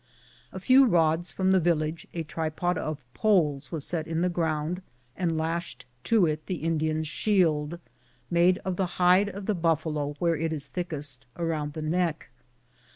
A few rods from the village a tripod of poles was set in the ground, and lashed to it the Indian's shield, made of the hide of the buffalo where it is thickest about the neck.